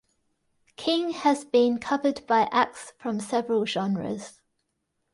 King has been covered by acts from several genres.